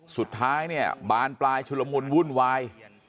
สุดท้ายเนี่ยบานปลายชุลมุนวุ่นวาย